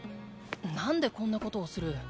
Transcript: なんでこんなことをする？